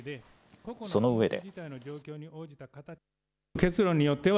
そのうえで。